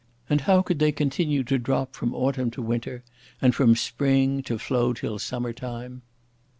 and how could they continue to drop from autumn to winter and from spring to flow till summer time?